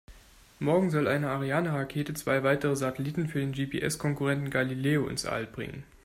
Morgen soll eine Ariane-Rakete zwei weitere Satelliten für den GPS-Konkurrenten Galileo ins All bringen.